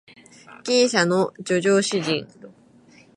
ギリシャの叙情詩人